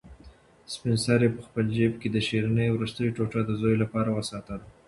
سپین سرې په خپل جېب کې د شیرني وروستۍ ټوټه د زوی لپاره وساتله.